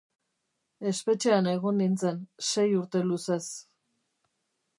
Espetxean egon nintzen sei urte luzez.